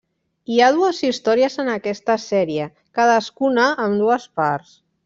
Hi ha dues històries en aquesta sèrie, cadascuna amb dues parts.